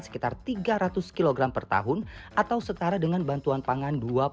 sekitar tiga ratus kg per tahun atau setara dengan bantuan pangan